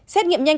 xét nghiệm nhanh